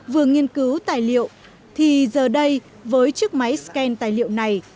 vừa nghiên cứu tài liệu thì giờ đây với chiếc máy scan tài liệu này